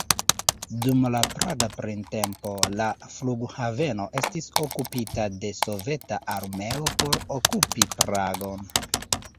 Dum la Praga printempo, la flughaveno estis okupita de Soveta armeo por okupi Pragon.